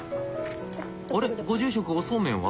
あれっご住職おそうめんは？